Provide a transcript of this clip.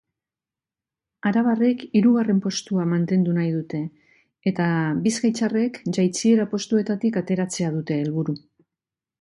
Arabarrek hirugarren postua mantendu nahi dute eta bizkaitarrek jaitsiera postuetatik ateratzea dute helburu.